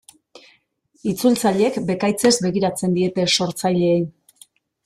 Itzultzaileek bekaitzez begiratzen diete sortzaileei.